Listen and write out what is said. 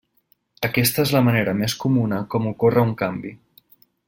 Aquesta és la manera més comuna com ocorre un canvi.